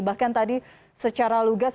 bahkan tadi secara lugas